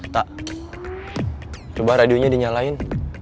tak coba radionya dinyalain